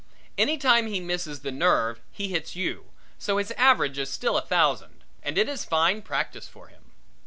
Any time he misses the nerve he hits you, so his average is still a thousand, and it is fine practice for him.